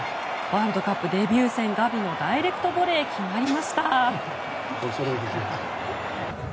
ワールドカップデビュー戦のガビのダイレクトボレーが決まりました。